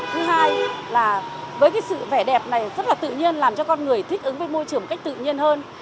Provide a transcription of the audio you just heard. thứ hai là với cái sự vẻ đẹp này rất là tự nhiên làm cho con người thích ứng với môi trường cách tự nhiên hơn